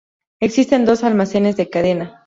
Existen dos almacenes de cadena.